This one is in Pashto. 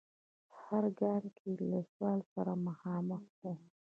په هر ګام کې له سوال سره مخامخ و.